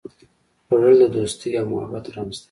خوړل د دوستي او محبت رمز دی